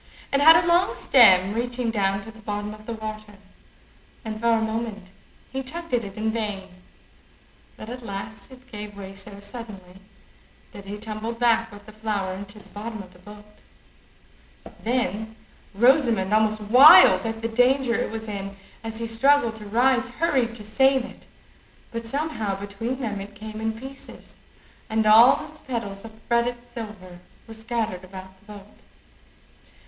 It had a long stem, reaching down to the bottom of the water, and for a moment he tugged at it in vain, but at last it gave way so suddenly, that he tumbled back with the flower into the bottom of the boat. Then Rosamond, almost wild at the danger it was in as he struggled to rise, hurried to save it, but somehow between them it came in pieces, and all its petals of fretted silver were scattered about the boat.